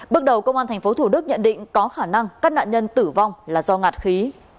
bước đầu công an tp thủ đức nhận định có khả năng các nạn nhân tử vong là do ngạt khí